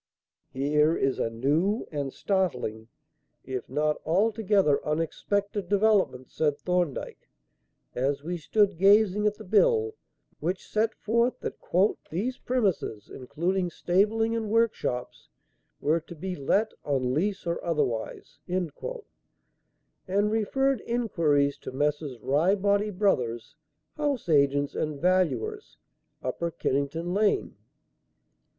"Here is a new and startling, if not altogether unexpected, development," said Thorndyke, as we stood gazing at the bill; which set forth that "these premises, including stabling and workshops," were "to be let on lease or otherwise," and referred inquiries to Messrs. Ryebody Brothers, house agents and valuers, Upper Kennington Lane.